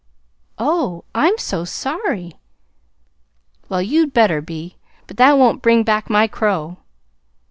"Oh, I'm so sorry!" "Well, you'd better be. But that won't bring back my crow!"